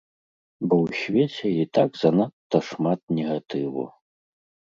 Бо ў свеце і так занадта шмат негатыву.